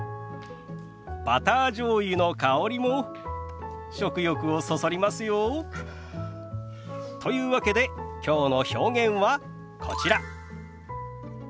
バターじょうゆの香りも食欲をそそりますよ。というわけできょうの表現はこちら。